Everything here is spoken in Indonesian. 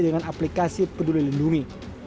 dengan aplikasi penduli lindungi